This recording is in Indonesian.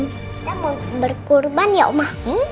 kita mau berkurban ya oma